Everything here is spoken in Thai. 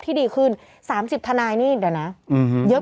พี่ขับรถไปเจอแบบ